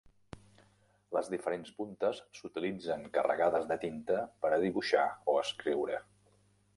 Les diferents puntes s'utilitzen carregades de tinta per a dibuixar o escriure.